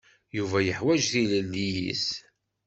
Yuba yeḥwaǧ tilelli-s.